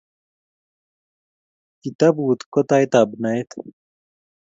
kitabut ko tait ab naet